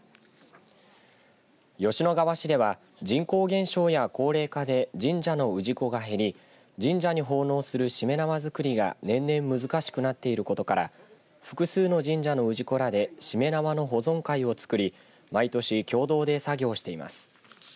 吉野川市では人口減少や高齢化で神社の氏子が減り神社に奉納するしめ縄作りが年々難しくなっていることから複数の神社の氏子らでしめ縄の保存会をつくり毎年共同で作業しています。